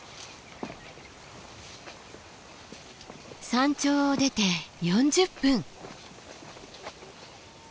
山頂を出て４０分。